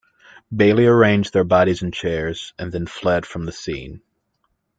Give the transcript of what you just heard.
Bailey arranged their bodies in chairs and then fled from the scene.